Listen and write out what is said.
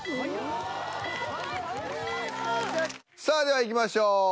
さあではいきましょう。